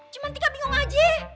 cuman tika bingung aja